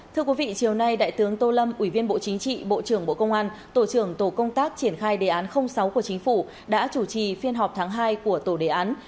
thưa quý vị chiều nay đại tướng tô lâm ủy viên bộ chính trị bộ trưởng bộ công an tổ trưởng tổ công tác triển khai đề án sáu của chính phủ đã chủ trì phiên họp tháng hai của tổ đề án